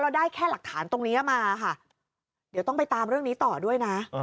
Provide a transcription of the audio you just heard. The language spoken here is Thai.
ได้แค่หลักฐานตรงนี้มาค่ะเดี๋ยวต้องไปตามเรื่องนี้ต่อด้วยนะ